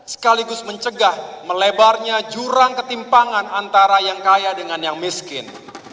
sekaligus mencegah melebarnya jurang ketimpangan antara yang kaya dengan yang miskin